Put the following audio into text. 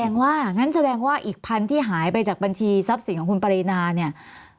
ว่างั้นแสดงว่าอีกพันที่หายไปจากบัญชีทรัพย์สินของคุณปรินาเนี่ย